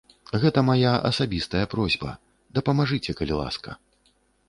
Гэта мая асабістая просьба, дапамажыце, калі ласка.